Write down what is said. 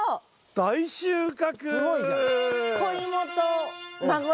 大収穫。